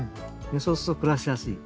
そうすると暮らしやすい。